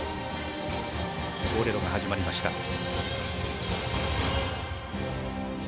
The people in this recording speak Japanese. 「ボレロ」が始まりました。